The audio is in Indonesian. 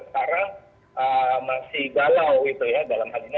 sekarang masih galau gitu ya dalam hal ini